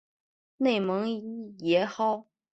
内蒙邪蒿